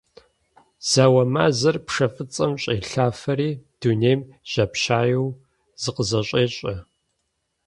Зэуэ мазэр пшэ фӀыцӀэм щӀелъафэри, дунейм жьапщаеу зыкъызэщӀещӀэ.